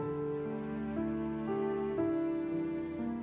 aku selalu bilang kemu